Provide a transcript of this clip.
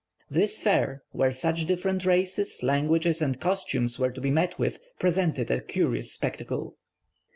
This fair, where such different races, languages, and costumes were to be met with, presented a curious spectacle.